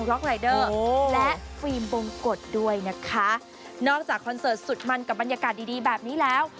รายเดอร์และฟิล์มบงกฎด้วยนะคะนอกจากคอนเสิร์ตสุดมันกับบรรยากาศดีดีแบบนี้แล้ว